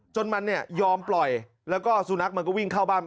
จนมันเนี่ยยอมปล่อยแล้วก็สุนัขมันก็วิ่งเข้าบ้าน